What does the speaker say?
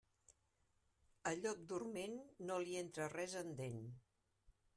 A llop dorment, no li entra res en dent.